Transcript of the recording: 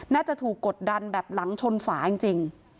น่าจะถูกกดดันแบบหลังชนฝาจริง